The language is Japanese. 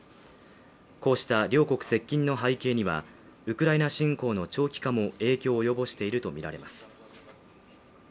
こうした両国接近の背景にはウクライナ侵攻の長期化も影響を及ぼしているとみられます。